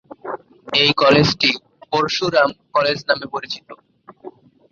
এই কলেজটি "পরশুরাম কলেজ" নামে পরিচিত।